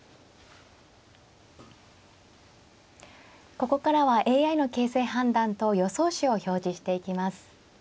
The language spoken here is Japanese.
ここからはＡＩの形勢判断と予想手を表示していきます。